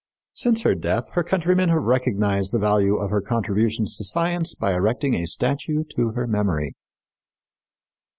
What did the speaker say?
Since her death her countrymen have recognized the value of her contributions to science by erecting a statue to her memory.